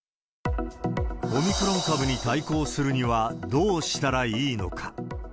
オミクロン株に対抗するにはどうしたらいいのか。